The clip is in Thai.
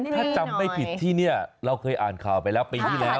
ถ้าจำไม่ผิดที่นี่เราเคยอ่านข่าวไปแล้ว